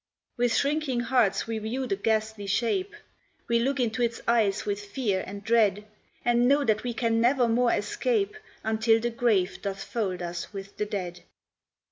With shrinking hearts, we view the ghastly shape; We look into its eyes with fear and dread, And know that we can never more escape Until the grave doth fold us with the dead.